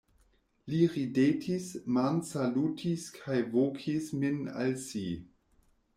Li ridetis, mansalutis kaj vokis min al si.